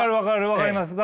分かります！